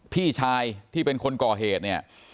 พี่ชายที่เป็นคนก่อเหตุเนี่ย